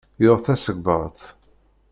Yuɣ tasegbart.